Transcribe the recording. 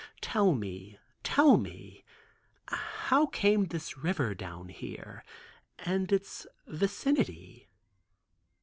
"Tell me, tell me, how came this river down here, and its vicinity?"